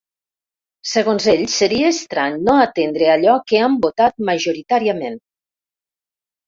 Segons ell, seria estrany no atendre allò que han votat majoritàriament.